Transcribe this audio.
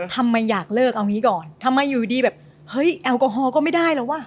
ทำไมอยากเลิกเอางี้ก่อนทำไมอยู่ดีแบบเฮ้ยแอลกอฮอลก็ไม่ได้แล้วว่ะ